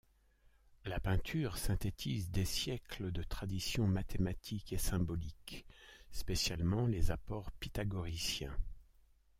La peinture synthétise des siècles de tradition mathématique et symbolique, spécialement les apports pythagoriciens.